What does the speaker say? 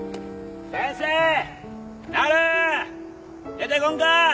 出てこんか！